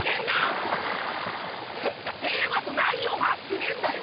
テーマと内容が合ってねえんだよ！